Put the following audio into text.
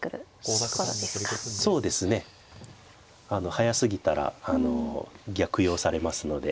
早すぎたら逆用されますので。